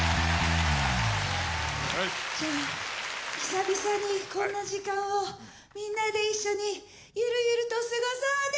じゃあ久々にこんな時間をみんなで一緒にゆるゆると過ごそうね！